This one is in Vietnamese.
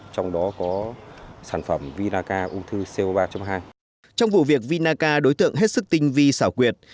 trong vụ việc vinaca đối tượng hết sức tinh vi xảo quyệt